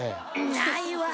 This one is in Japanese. ないわ。